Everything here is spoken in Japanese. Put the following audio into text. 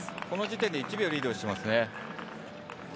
この時点で、１秒リードしていますね。